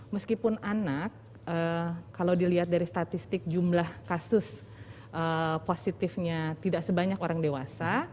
meskipun anak kalau dilihat dari statistik jumlah kasus positifnya tidak sebanyak orang dewasa